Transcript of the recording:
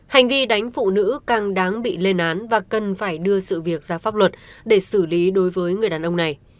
hành vi đánh phụ nữ càng đáng bị lên án và cần phải đưa sự việc ra pháp luật để xử lý đối với người đàn ông này